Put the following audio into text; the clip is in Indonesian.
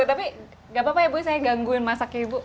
tapi gak apa apa ya bu saya gangguin masaknya ibu